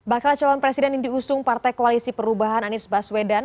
bakal calon presiden yang diusung partai koalisi perubahan anies baswedan